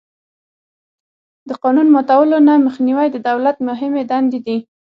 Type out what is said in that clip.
د قانون ماتولو نه مخنیوی د دولت مهمې دندې دي.